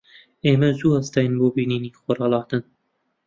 ئێمە زوو هەستاین بۆ بینینی خۆرهەڵاتن.